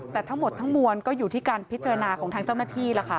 แต่ทั้งหมดทั้งมวลก็อยู่ที่การพิจารณาของทางเจ้าหน้าที่ล่ะค่ะ